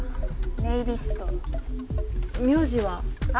ネイリスト名字は？はあ？